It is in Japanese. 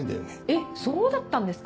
えっそうだったんですか。